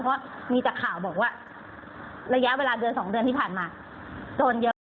เพราะมีแต่ข่าวบอกว่าระยะเวลาเดือน๒เดือนที่ผ่านมาโดนเยอะ